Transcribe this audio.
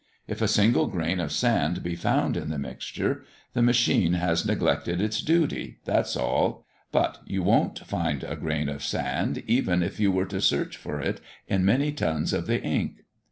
If a single grain of sand be found in the mixture, the machine has neglected its duty that's all. But you wont find a grain of sand even if you were to search for it in many tons of the ink.